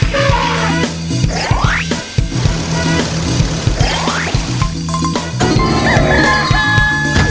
ว้าว